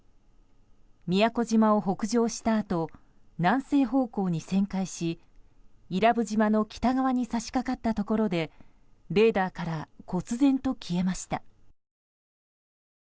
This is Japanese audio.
宮古島を北上したあと南西方向に旋回し伊良部島の北側に差し掛かったところでレーダーからこつぜんと消えました。